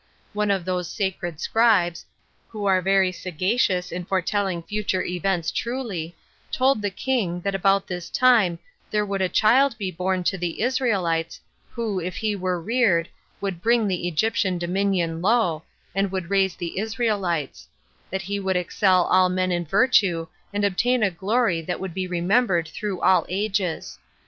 One of those sacred scribes, 18 who are very sagacious in foretelling future events truly, told the king, that about this time there would a child be born to the Israelites, who, if he were reared, would bring the Egyptian dominion low, and would raise the Israelites; that he would excel all men in virtue, and obtain a glory that would be remembered through all ages.